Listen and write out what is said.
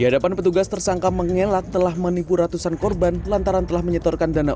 di hadapan petugas tersangka mengelak telah menipu ratusan korban lantaran telah menyetorkan dana